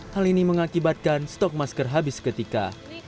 hal ini mengakibatkan stok masker habis seketika